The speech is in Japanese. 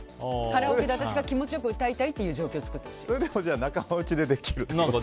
カラオケで私が気持ち良く歌いたいっていう状況を作りたい。